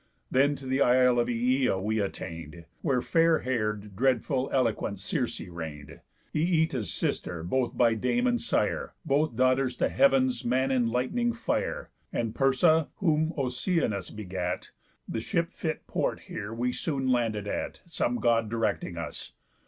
Then to the isle Ææa we attain'd, Where fair hair'd, dreadful, eloquent Circe reign'd, Ææta's sister both by dame and sire, Both daughters to Heav'n's man enlight'ning Fire, And Perse, whom Oceanus begat, The ship fit port here soon we landed at, Some God directing us.